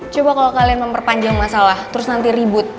coba kalau kalian memperpanjang masalah terus nanti ribut